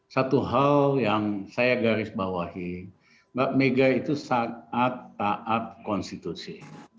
satu hal yang saya garis bawahi mbak mega itu saat taat konstitusi